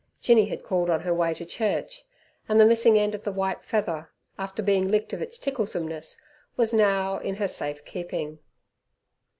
Jinny had called on her way to church, and the missing end of the white feather, after being licked of its ticklesomeness, was now in her safe keeping.